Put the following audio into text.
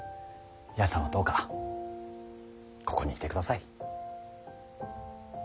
八重さんはどうかここにいてください。